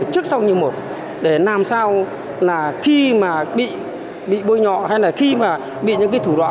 trước sau như một để làm sao là khi mà bị bôi nhọ hay là khi mà bị những cái thủ đoạn